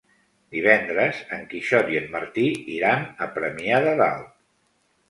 Divendres en Quixot i en Martí iran a Premià de Dalt.